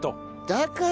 だからか。